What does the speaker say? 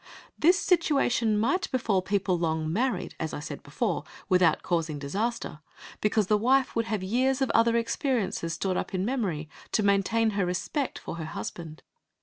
This situation might befall people long married, as I said before, without causing disaster, because the wife would have years of other experiences stored up in memory, to maintain her respect for her husband.